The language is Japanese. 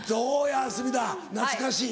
懐かしい？